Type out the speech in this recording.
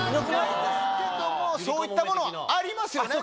そういったものはありますよね。